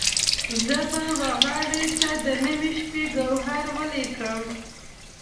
زه به وغاړې ته د نیمې شپې، ګوهر ولیکم